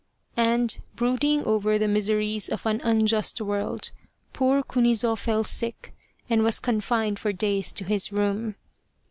And, brooding over the miseries of an unjust world, poor Kunizo fell sick, and was confined for days to his room.